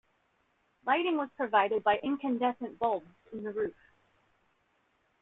Lighting was provided by incandescent bulbs in the roof.